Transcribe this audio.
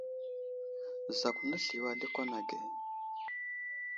Zakw nesliyo a lakwan age.